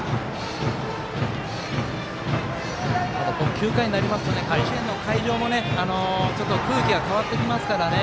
９回になりますと甲子園の会場もちょっと空気が変わってきますからね。